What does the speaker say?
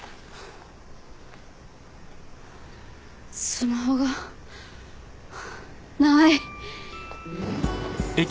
スマホがない。